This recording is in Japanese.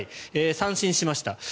三振しました。